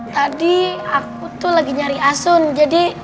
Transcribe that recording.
tadi aku tuh lagi nyari asun jadi